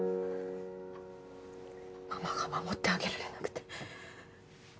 ママが守ってあげられなくて。